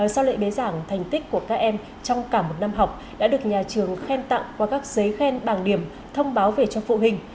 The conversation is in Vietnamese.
sau lễ bế giảng thành tích của các em trong cả một năm học đã được nhà trường khen tặng qua các giấy khen bảng điểm thông báo về cho phụ huynh